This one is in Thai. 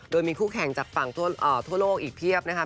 โดยมีคู่แข่งจากฝั่งทั่วโลกอีกเพียบนะคะ